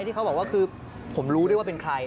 ที่เขาบอกว่าคือผมรู้ด้วยว่าเป็นใคร